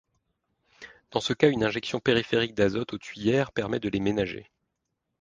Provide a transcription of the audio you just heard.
Dans ce cas, une injection périphérique d'azote aux tuyères permet de les ménager.